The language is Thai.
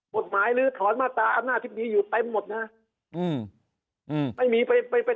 กฎหมายหรือถอนมาตามหน้าที่มีอยู่ไปหมดนะไม่มีไปไปไป